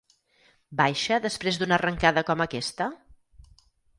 Baixa després d'una arrencada com aquesta?